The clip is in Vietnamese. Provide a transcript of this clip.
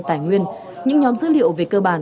tài nguyên những nhóm dữ liệu về cơ bản